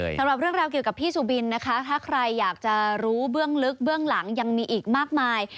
สำหรับเรื่องราวเกี่ยวกับพี่สุบินนะคะถ้าใครอยากจะรู้เบื้องลึกเบื้องหลังยังมีอีกมากมาย